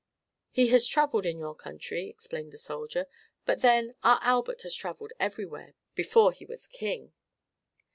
"He has traveled in your country," explained the soldier. "But then, our Albert has traveled everywhere before he was king."